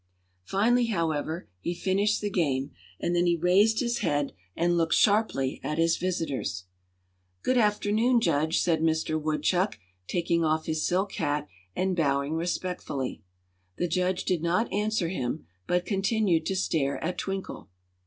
Finally, however, he finished the game, and then he raised his head and looked sharply at his visitors. "Good afternoon, Judge," said Mister Woodchuck, taking off his silk hat and bowing respectfully. The judge did not answer him, but continued to stare at Twinkle.